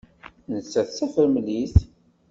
Nettat d tafremlit.